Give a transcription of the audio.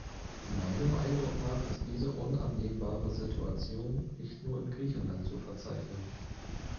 Meinem Eindruck nach ist diese unannehmbare Situation nicht nur in Griechenland zu verzeichnen.